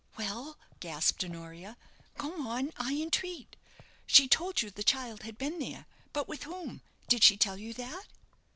"Well," gasped Honoria, "go on, I entreat! She told you the child had been there. But with whom? Did she tell you that?"